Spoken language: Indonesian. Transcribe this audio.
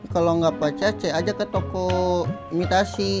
kalau gak pacet aja ke toko imitasi